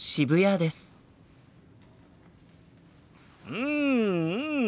うんうん！